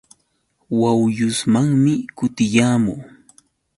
Yawyusmanmi kutiyaamuu.